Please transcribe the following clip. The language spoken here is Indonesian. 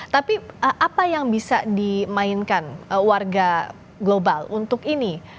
tapi apa yang bisa dimainkan warga global untuk ini